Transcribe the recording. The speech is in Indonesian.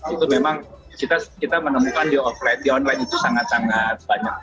itu memang kita menemukan di offline di online itu sangat sangat banyak